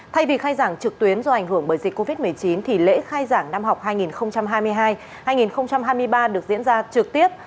thay vì khai giảng trực tuyến do ảnh hưởng bởi dịch covid một mươi chín thì lễ khai giảng năm học hai nghìn hai mươi hai hai nghìn hai mươi ba được diễn ra trực tiếp